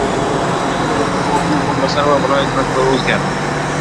Surxondaryo viloyati hokimi o‘rinbosari va viloyat prokurori o‘zgardi